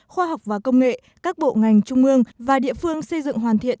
khoa học và công nghệ các bộ ngành trung ương và địa phương xây dựng hoàn thiện